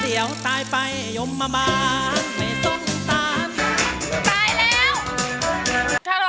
เดี๋ยวตายไปย่อมมาบานไม่สงสาร